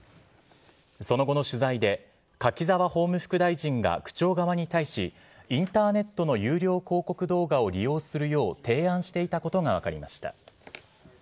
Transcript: その後の取材で、柿沢法務副大臣が区長側に対し、インターネットの有料広告動画を利用するよう提案していたことが分かりました。